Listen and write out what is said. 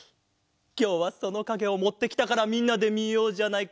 きょうはそのかげをもってきたからみんなでみようじゃないか。